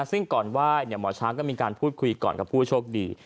ซึ่งก่อนไหว้หมอช้างก็มีการพูดคุยก่อนกับผู้โชคดี